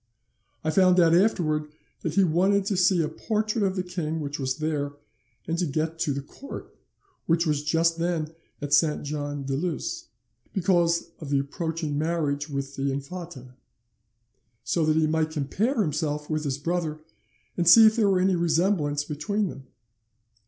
I found out afterwards that he wanted to see a portrait of the king which was there, and to get to the court, which was just then at Saint Jean de Luz, because of the approaching marriage with the infanta; so that he might compare himself with his brother and see if there were any resemblance between them.